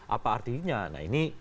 apa artinya nah ini